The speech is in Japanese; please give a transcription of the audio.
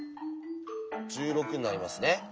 １６になりますね。